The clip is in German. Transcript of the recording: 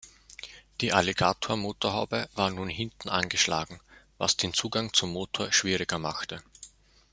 Die „Alligator“-Motorhaube war nun hinten angeschlagen, was den Zugang zum Motor schwieriger machte.